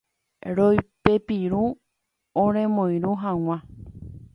Roipepirũ oremoirũ hag̃ua.